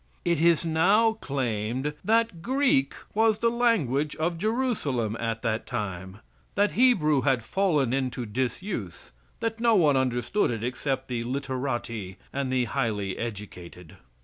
It is now claimed that Greek was the language of Jerusalem at that time; that Hebrew had fallen into disuse; that no one understood it except the literati and the highly educated.